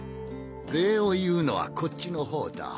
礼を言うのはこっちのほうだ。